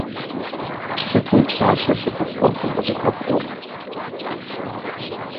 Сыт уи псалъэ цӀыхухъу Ӏуэхум къыщӀыхэпӀур?